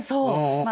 まあ